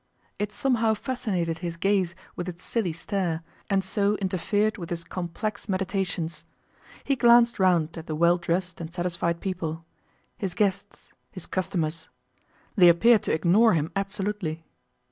It somehow fascinated his gaze with its silly stare, and so interfered with his complex meditations. He glanced round at the well dressed and satisfied people his guests, his customers. They appeared to ignore him absolutely.